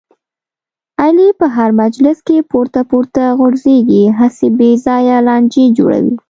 علي په هر مجلس کې پورته پورته غورځېږي، هسې بې ځایه لانجې جوړوي.